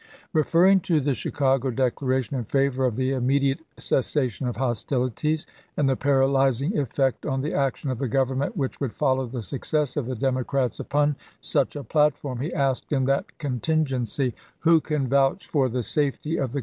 Referring to the Chicago declaration in favor of the immediate cessation of hostilities, and the par alyzing effect on the action of the Government which would follow the success of the Democrats upon such a platform, he asked, in that contin " The' gency, " Who can vouch for the safety of the DHisto?